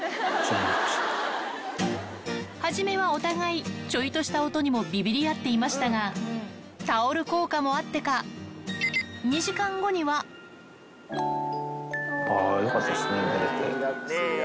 初めはお互い、ちょいとした音にもびびり合っていましたが、タオル効果もあってよかったですね、寝れて。